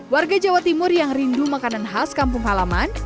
warga jawa timur yang rindu makanan khas kampung halaman